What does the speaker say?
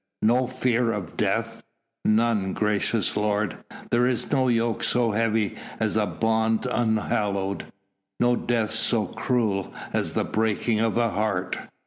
"No fear of death?" "None, gracious lord. There is no yoke so heavy as a bond unhallowed. No death so cruel as the breaking of a heart."